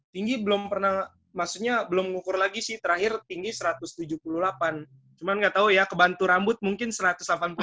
tinggi belum pernah maksudnya belum ngukur lagi sih terakhir tinggi satu ratus tujuh puluh delapan cuman nggak tahu ya kebantu rambut mungkin satu ratus delapan puluh